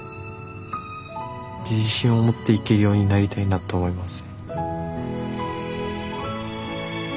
自信を持っていけるようになりたいなと思います。